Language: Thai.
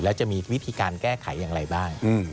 แล้วจะมีวิธีการแก้ไขอย่างไรบ้าง